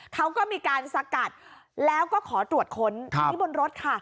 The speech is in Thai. เขาก็มีการสกัดแล้วก็ขอตรวจค้นที่บนรถค่ะ